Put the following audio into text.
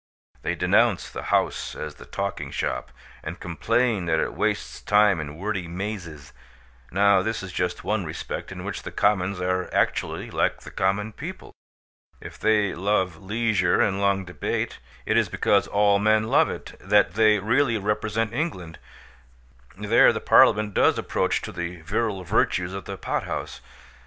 They denounce the House as the Talking Shop, and complain that it wastes time in wordy mazes. Now this is just one respect in which the Commons are actually like the Common People. If they love leisure and long debate, it is because all men love it; that they really represent England. There the Parliament does approach to the virile virtues of the pothouse.